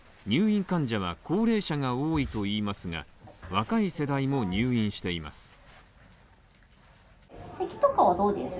入院患者は高齢者が多いといいますが、若い世代も入院しています。